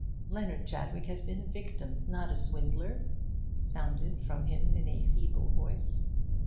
'Leonard Chadwick has been a victim, not a swindler,' sounded from him in a feeble voice.